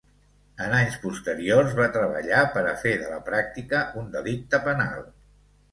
En anys posteriors, va treballar per a fer de la pràctica un delicte penal.